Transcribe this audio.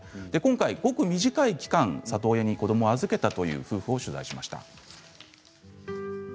今回ごく短い期間を里親に子どもを預けたという夫婦を取材しました。